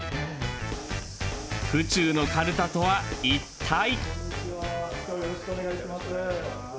府中のかるたとは、一体。